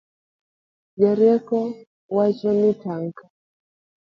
Jorieko wacho ni tang' ka